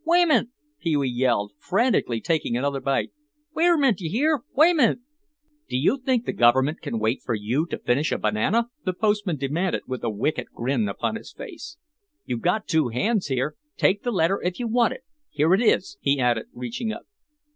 "Waymnt," Pee wee yelled, frantically taking another bite; "wayermntdyehear, waymnt!" "Do you think the government can wait for you to finish a banana?" the postman demanded with a wicked grin upon his face. "You got two hands; here, take the letter if you want it; here it is," he added, reaching up.